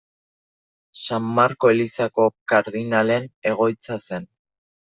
San Marko elizako kardinalen egoitza zen.